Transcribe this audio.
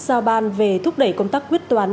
giao ban về thúc đẩy công tác quyết toán